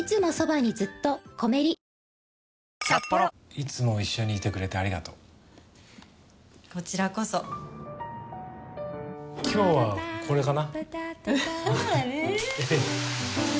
いつも一緒にいてくれてありがとうこちらこそ今日はこれかな